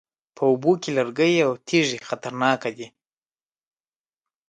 په اوبو کې لرګي او تیږې خطرناکې دي